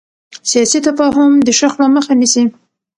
سیاسي تفاهم د شخړو مخه نیسي